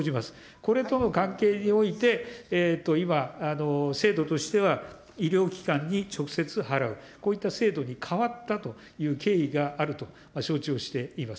これとの関係において、今、制度としては医療機関に直接払う、こういった制度に変わったという経緯があると承知をしています。